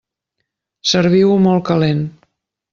Serviu-ho molt calent.